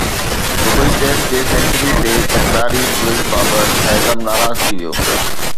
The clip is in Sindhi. دبئي ٽيسٽ جي سينچري تي تڪراري ٽوئيٽ، بابر اعظم ناراض ٿي ويو